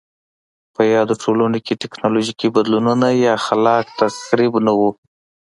په یادو ټولنو کې ټکنالوژیکي بدلونونه یا خلاق تخریب نه و